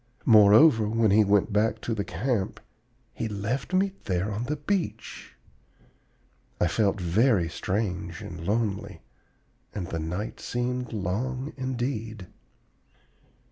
Moreover, when he went back to the camp, he left me there on the beach! I felt very strange and lonely, and the night seemed long indeed.